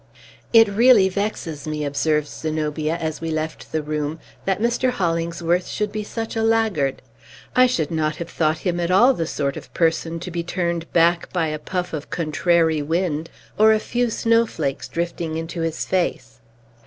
"It really vexes me," observed Zenobia, as we left the room, "that Mr. Hollingsworth should be such a laggard. I should not have thought him at all the sort of person to be turned back by a puff of contrary wind, or a few snowflakes drifting into his face."